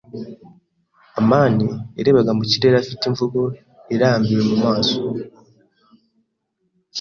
amani yarebaga mu kirere afite imvugo irambiwe mu maso.